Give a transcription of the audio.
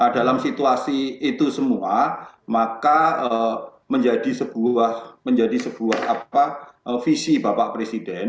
dalam situasi itu semua maka menjadi sebuah visi bapak presiden